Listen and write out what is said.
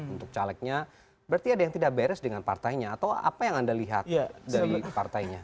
untuk calegnya berarti ada yang tidak beres dengan partainya atau apa yang anda lihat dari partainya